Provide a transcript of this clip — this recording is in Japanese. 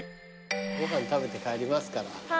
ご飯食べて帰りますから。